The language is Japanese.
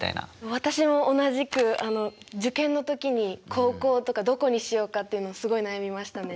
私も同じくあの受験の時に高校とかどこにしようかっていうのをすごい悩みましたね。